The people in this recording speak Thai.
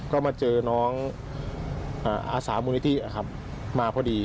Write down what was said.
ก็มาเจอน้องอาสามูลนิธิมาพอดี